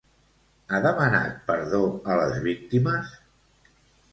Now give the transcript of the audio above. Ha demanat perdó a les víctimes?